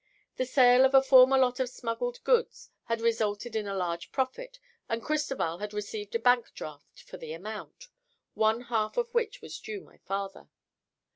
The sale of a former lot of smuggled goods had resulted in a large profit and Cristoval had received a bank draft for the amount, one half of which was due my father.